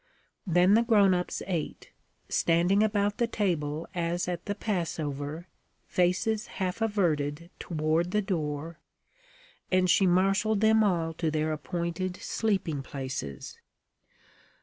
Then the grown ups ate standing about the table as at the Passover, faces half averted toward the door and she marshaled them all to their appointed sleeping places.